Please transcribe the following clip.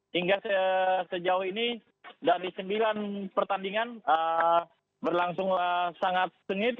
hingga sejauh ini dari sembilan pertandingan berlangsunglah sangat sengit